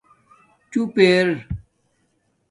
چُپ اِر